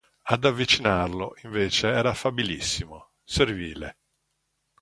Ad avvicinarlo invece era affabilissimo, servile.